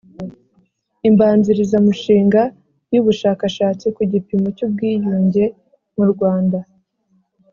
Imbanzirizamushinga y ubushakashatsi ku gipimo cy ubwiyunge mu Rwanda